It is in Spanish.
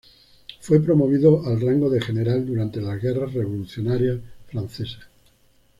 Fue promovido al rango de general durante las Guerras Revolucionarias francesas.